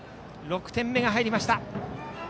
６点目が入りました。